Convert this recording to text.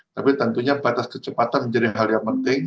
tapi tentunya batas kecepatan menjadi hal yang penting